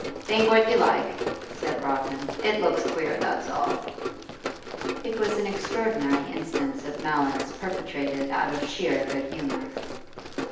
'Think what you like,' said Rodman. 'It looks queer, that's all.' It was an extraordinary instance of malice perpetrated out of sheer good humour.